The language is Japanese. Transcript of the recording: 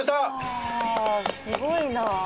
すごいな。